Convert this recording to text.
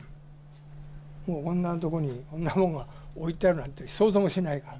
もうこんなとこに、こんなものが置いてあるなんて、想像もしないから。